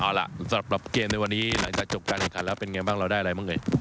เอาล่ะสำหรับเกมในวันนี้หลังจากจบการแข่งขันแล้วเป็นไงบ้างเราได้อะไรบ้างเอ่ย